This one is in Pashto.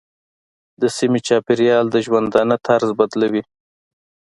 د سیمې چاپېریال د ژوندانه طرز بدلوي.